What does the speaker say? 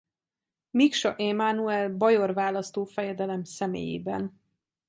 Miksa Emánuel bajor választófejedelem személyében.